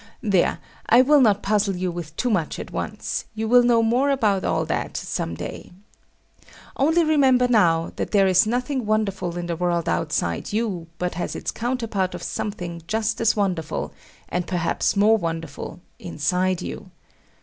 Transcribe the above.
There, I will not puzzle you with too much at once; you will know more about all that some day. Only remember now, that there is nothing wonderful in the world outside you but has its counterpart of something just as wonderful, and perhaps more wonderful, inside you.